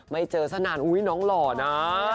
ไม่เจอสักนานอุ๊ยน้องหล่อนะ